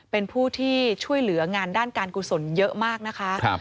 เป็นผู้ที่ช่วยเหลืองานด้านการกุศลเยอะมากนะคะ